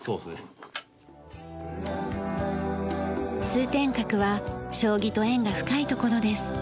通天閣は将棋と縁が深い所です。